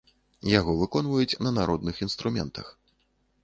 Яго выконваюць на народных інструментах.